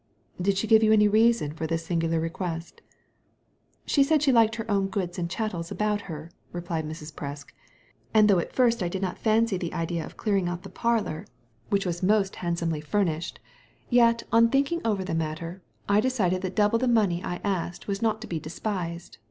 "Did she give any reason for this singular request?" "She said she liked her own goods and chattels about her," replied Mrs. Presk ;" and though at first I did not fancy the idea of clearing out the parlour Digitized by Google 30 THE LADY FROM NOWHERE — which was most handsomely furnished — ^j et, on thinking over th^ flatter, 1 decided that double the money I asked was not to be despised.